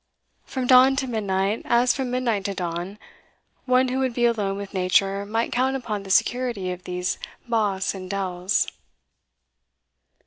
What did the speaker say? From dawn to midnight, as from midnight to dawn, one who would be alone with nature might count upon the security of these bosks and dells.